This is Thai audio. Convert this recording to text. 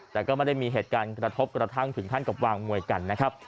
แต่ก็ไม่ได้มีเหตุการณ์กระทบกระทั่งถึงขั้นกับวางมวยกันนะครับ